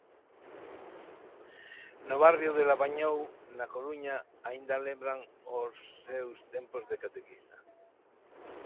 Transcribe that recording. No barrio de Labañou, na Coruña, aínda lembran os seus tempos de catequista.